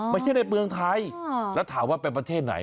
ไม่ใช่ในเมืองไทยแล้วถามว่าเป็นประเทศไหน